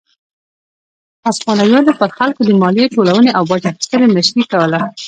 هسپانویانو پر خلکو د مالیې ټولونې او باج اخیستنې مشري کوله.